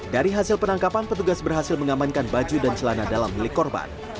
dari hasil penangkapan petugas berhasil mengamankan baju dan celana dalam milik korban